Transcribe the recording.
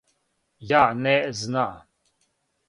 Ја не зна.